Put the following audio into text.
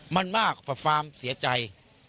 มั่นมากฟล่าเสียใจ